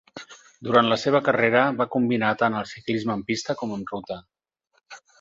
Durant la seva carrera va combinar tant el ciclisme en pista com en ruta.